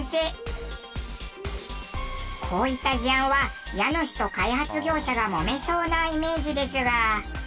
こういった事案は家主と開発業者がもめそうなイメージですが。